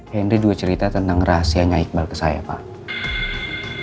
henry juga cerita tentang rahasianya iqbal ke saya pak